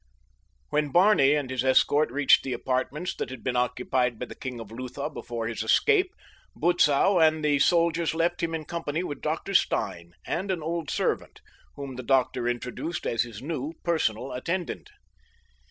When Barney and his escort reached the apartments that had been occupied by the king of Lutha before his escape, Butzow and the soldiers left him in company with Dr. Stein and an old servant, whom the doctor introduced as his new personal attendant.